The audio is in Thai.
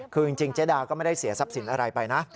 คือจริงเจ๊ดาก็ไม่ได้เสียทรัพย์สินอะไรไปนะ